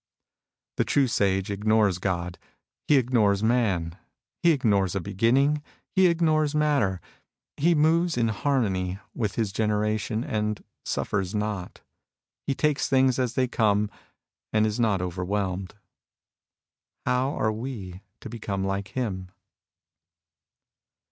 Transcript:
The true Sage ignores God. He ignores man. He ignores a beginning. He ignores matter. He moves in harmony with his generation and suffers not. He takes things as they come and is not overwhelmed. How are we to become like him